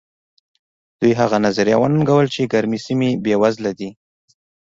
دوی هغه نظریه وننګوله چې ګرمې سیمې بېوزله دي.